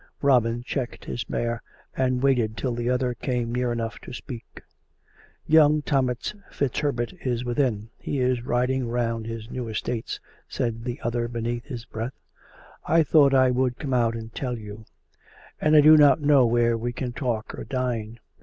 Robin checked his mare and waited till the other came near enough to speak, " Young Thomas FitzHerbert is within. He is riding round his new estates," said the other beneath his breath. " I thought I would come out and tell you; and I do not know where we can talk or dine.